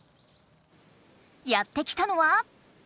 やって来たのは。